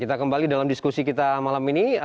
kita kembali dalam diskusi kita malam ini